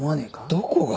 どこが！？